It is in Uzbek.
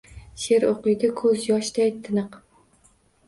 Sheʼr oʼqiydi – koʼz yoshday tiniq.